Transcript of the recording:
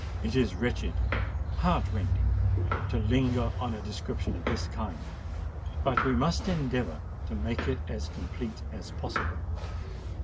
It is wretched—heart rending to linger on a description of this kind: but we must endeavour to make it as complete as possible.